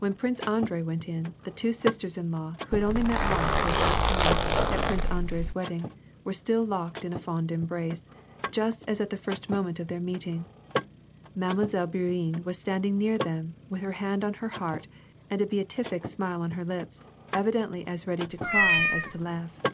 When Prince Andrei went in, the two sis ters in law, who had only met once for a short time, at Prince Andrei's wedding, were still locked in a fond embrace, just as at the first moment of their meeting. Mile. Bourienne was stand ing near them, with her hand on her heart and 'a Beatific smile on her lips, evidently as ready to cry as to laugh.